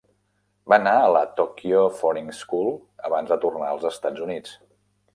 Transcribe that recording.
Va anar a la Tokyo Foreign School abans de tornar als Estats Units.